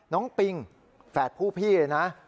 ปิงแฝดผู้พี่เลยนะ